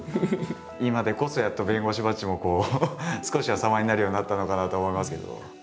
今でこそやっと弁護士バッジもこう少しは様になるようになったのかなと思いますけど。